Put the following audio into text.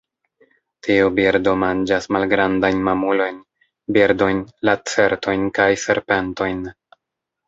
Tiu birdo manĝas malgrandajn mamulojn, birdojn, lacertojn kaj serpentojn.